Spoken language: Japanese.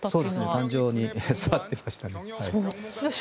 壇上に座ってました。